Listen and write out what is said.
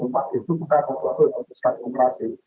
bukan kompleks untuk persatuan operasi